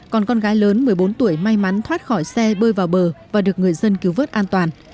còn con gái lớn một mươi bốn tuổi may mắn thoát khỏi xe bơi vào bờ và được người dân cứu vớt an toàn